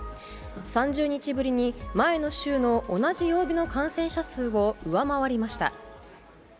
３０日ぶりに前の週の同じ曜日の感染者数を上回りました。